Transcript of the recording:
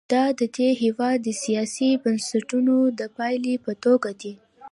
دا د دې هېواد د سیاسي بنسټونو د پایلې په توګه دي.